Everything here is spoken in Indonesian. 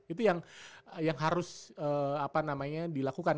itu yang harus apa namanya dilakukan